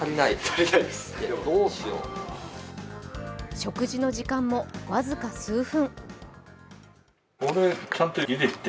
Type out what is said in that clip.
食事の時間も僅か数分。